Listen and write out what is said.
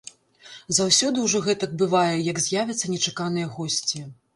Заўсёды ўжо гэтак бывае, як з'явяцца нечаканыя госці.